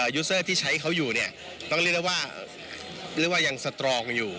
ยูเซอร์ที่ใช้เขาอยู่เนี่ยต้องเรียกได้ว่าเรียกว่ายังสตรองอยู่